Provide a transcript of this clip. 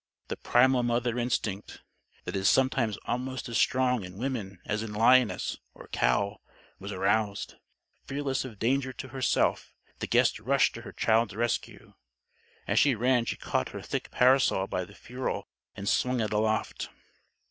The primal mother instinct (that is sometimes almost as strong in woman as in lioness or cow), was aroused. Fearless of danger to herself, the guest rushed to her child's rescue. As she ran she caught her thick parasol by the ferule and swung it aloft.